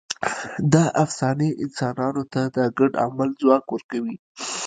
دا افسانې انسانانو ته د ګډ عمل ځواک ورکوي.